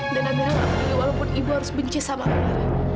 dan amira gak peduli walaupun ibu harus benci sama amira